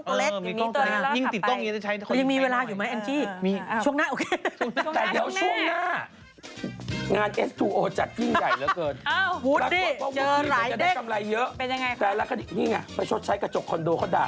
เป็นอย่างไรครับแปลแล้วก็นี่ไงไปชดใช้กระจกคอนโดเขาด่า